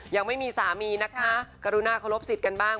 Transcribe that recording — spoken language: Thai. ยังไม่มีสามีนะคะกรุณาเคารพสิทธิ์กันบ้าง